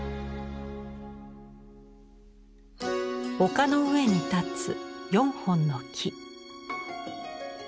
丘の上に立つ４本の木。